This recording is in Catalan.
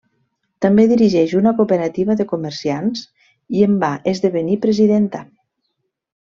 També dirigeix una cooperativa de comerciants i en va esdevenir presidenta.